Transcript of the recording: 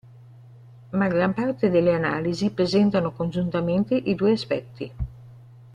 Ma gran parte delle analisi presentano congiuntamente i due aspetti.